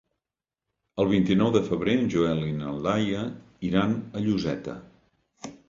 El vint-i-nou de febrer en Joel i na Laia iran a Lloseta.